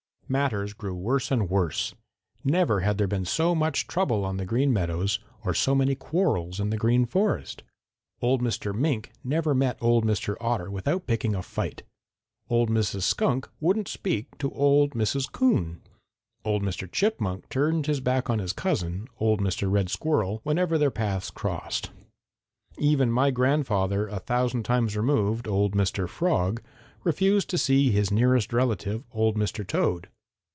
"Matters grew worse and worse. Never had there been so much trouble on the Green Meadows or so many quarrels in the Green Forest. Old Mr. Mink never met old Mr. Otter without picking a fight. Old Mrs. Skunk wouldn't speak to old Mrs. Coon. Old Mr. Chipmunk turned his back on his cousin, old Mr. Red Squirrel, whenever their paths crossed. Even my grandfather a thousand times removed, old Mr. Frog, refused to see his nearest relative, old Mr. Toad.